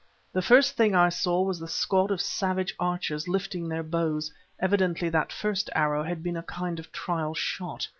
The first thing I saw was the squad of savage archers lifting their bows evidently that first arrow had been a kind of trial shot.